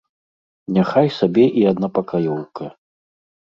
Няхай сабе і аднапакаёўка.